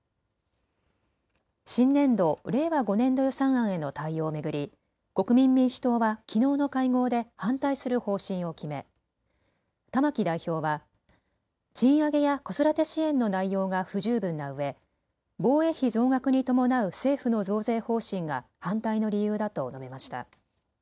新年度、令和５年度予算案への対応を巡り国民民主党はきのうの会合で反対する方針を決め玉木代表は賃上げや子育て支援の内容が不十分なうえ、防衛費増額に伴う政府の増税方針が反対の理由だと述べました。